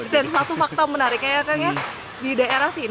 dan salah satu fakta menariknya kan ya